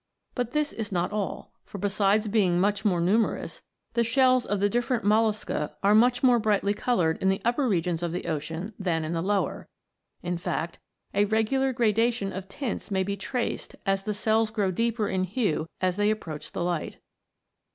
But this is not all, for besides being much more numerous, the shells of the differ ent mollusca are much more brightly coloured in the upper regions of the ocean than in the lower, in fact, a regular gradation of tints may be traced as the shells grow deeper in hue as they approach the light.